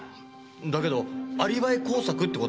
だけどアリバイ工作って事も。